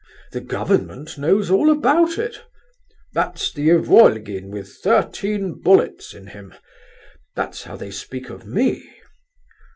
The government knows all about it. 'That's the Ivolgin with thirteen bullets in him!' That's how they speak of me....